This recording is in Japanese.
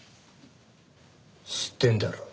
知ってんだろ？